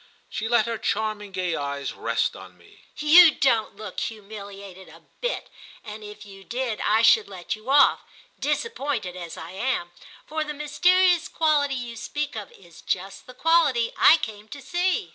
She let her charming gay eyes rest on me. "You don't look humiliated a bit, and if you did I should let you off, disappointed as I am; for the mysterious quality you speak of is just the quality I came to see."